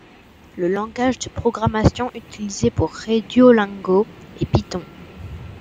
Le langage de programmation utilisé pour créer Duolingo est Python.